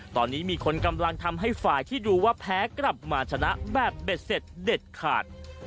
ตอนนี้มีคนกำลังทำให้ฝ่ายที่ดูว่าแพ้กลับมาชนะแบบเบ็ดเสร็จเด็ดขาด